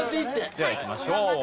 ではいきましょう。